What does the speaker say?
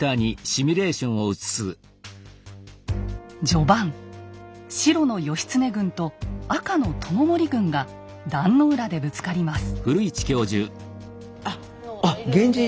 序盤白の義経軍と赤の知盛軍が壇の浦でぶつかります。